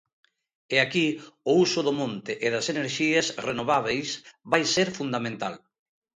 E aquí, o uso do monte e das enerxías renovábeis vai ser fundamental.